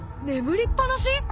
眠りっぱなし！？